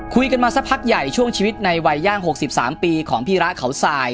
คุยกันมาสักพักใหญ่ช่วงชีวิตในวัยย่าง๖๓ปีของพี่ระเขาสาย